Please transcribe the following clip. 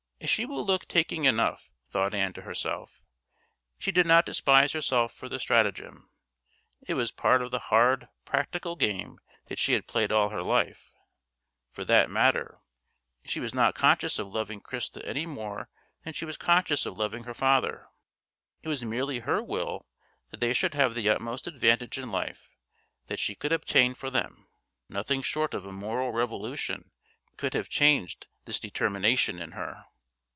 She will look taking enough, thought Ann to herself; she did not despise herself for the stratagem. It was part of the hard, practical game that she had played all her life, for that matter; she was not conscious of loving Christa any more than she was conscious of loving her father. It was merely her will that they should have the utmost advantage in life that she could obtain for them. Nothing short of a moral revolution could have changed this determination in her.